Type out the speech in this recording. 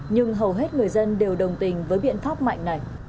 nhưng hầu hết người dân đều đồng tình với biện pháp mạnh này